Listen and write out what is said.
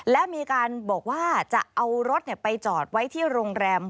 และมีการบอกว่าจะเอารถไปจอดไว้ที่โรงแรม